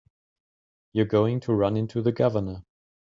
You're going to run into the Governor.